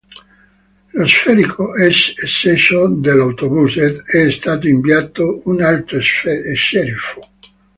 Lo sceriffo è sceso dall'autobus ed è stato inviato un altro sceriffo.